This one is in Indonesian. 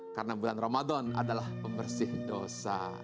karena bulan ramadhan adalah membersih dosa